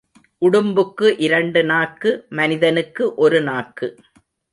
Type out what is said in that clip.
உடும்புக்கு இரண்டு நாக்கு மனிதனுக்கு ஒரு நாக்கு.